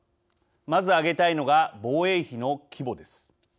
まず、挙げたいのが防衛費の規模です。